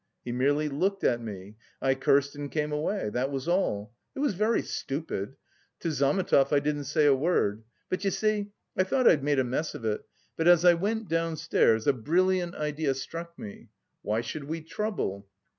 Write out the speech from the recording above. He merely looked at me, I cursed and came away. That was all. It was very stupid. To Zametov I didn't say a word. But, you see, I thought I'd made a mess of it, but as I went downstairs a brilliant idea struck me: why should we trouble?